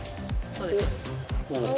そうです。